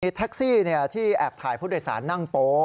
แท็กซี่ที่แอบถ่ายผู้โดยสารนั่งโป๊